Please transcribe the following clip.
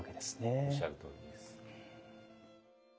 おっしゃるとおりです。